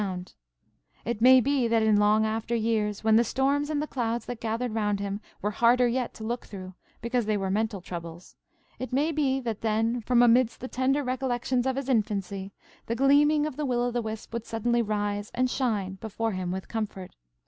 And it may be, that in long after years, when the storms and the clouds that gathered round him were harder yet to look through, because they were mental troubles–it may be, that then, from amidst the tender recollections of his infancy, the gleaming of the Will o' the Wisp would suddenly rise and shine before him with comfort.